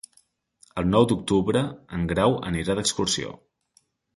El nou d'octubre en Grau anirà d'excursió.